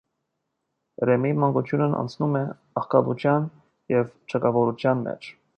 Ռեմիի մանկությունն անցնում է աղքատության և չքավորության մեջ։